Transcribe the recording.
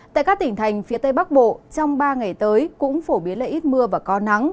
tại các tỉnh thành phía tây bắc bộ trong ba ngày tới cũng phổ biến là ít mưa và có nắng